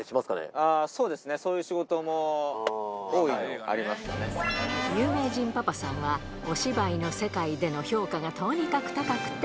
あー、そうですね、そういう有名人パパさんは、お芝居の世界での評価がとにかく高くて。